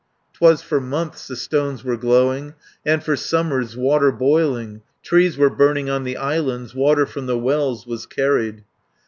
'Twas for months the stones were glowing, And for summers water boiling, Trees were burning on the islands, Water from the wells was carried.